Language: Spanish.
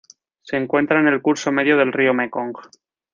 Se encuentra en el curso medio del río Mekong.